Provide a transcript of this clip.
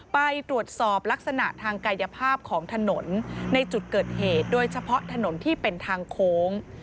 ไปตรวจสอบลักษณะทางกายภาพของถนนในจุดเกิดเหตุโดยเฉพาะถนนที่เป็นทางโค้ง